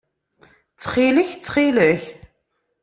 Ttxil-k! Ttxil-k!